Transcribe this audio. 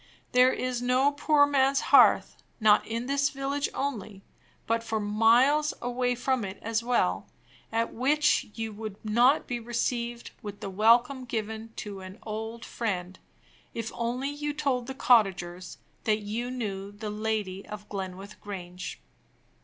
There is no poor man's hearth, not in this village only, but for miles away from it as well, at which you would not be received with the welcome given to an old friend, if you only told the cottagers that you knew the Lady of Glenwith Grange!